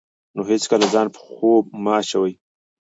نو هېڅکله ځان په خوب مه اچوئ.